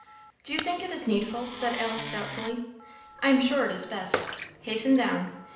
"Do you think it is needful?" said Alice, doubtfully. "I am sure it is best. Hasten down.